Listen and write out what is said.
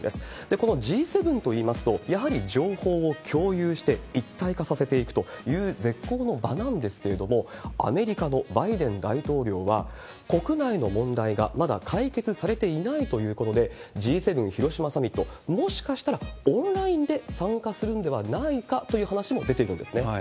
このＧ７といいますと、やはり情報を共有して一体化させていくという絶好の場なんですけれども、アメリカのバイデン大統領は国内の問題がまだ解決されていないということで、Ｇ７広島サミット、もしかしたらオンラインで参加するんではないかという話も出てるんですね。